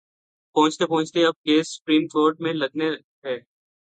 پہنچتے پہنچتے اب کیس سپریم کورٹ میں لگناہے۔